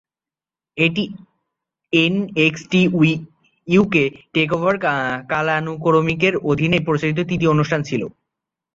এটি NXT UK takeover কালানুক্রমিকের অধীনে প্রচারিত তৃতীয় অনুষ্ঠান ছিল।